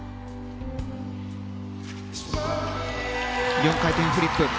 ４回転フリップ。